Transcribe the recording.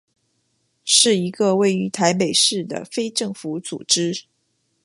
是一个位于台北市的非政府组织。